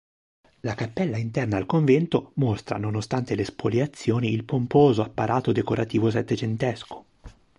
La cappella interna al convento mostra nonostante le spoliazioni il pomposo apparato decorativo settecentesco.